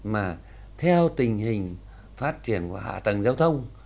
mà theo tình hình phát triển của hạ tầng giao thông